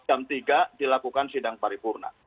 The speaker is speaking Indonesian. jam tiga dilakukan sidang paripurna